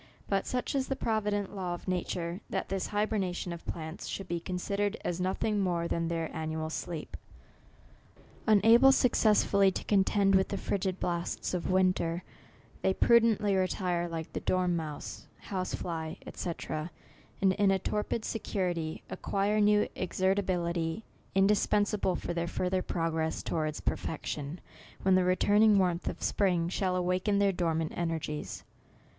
But such is the provi dent law of nature, that this hybernation of plants should be considered as nothing more than their annual sleep. Unable successfully to con end with the frigid blasts of winter, they prudently retire, like the dormouse, house fly, &c. and in a torpid security, ac quire new exertability, indispensable for theii further progress towards perfection, when the returning warmth of spring shall awaken their dormant energies.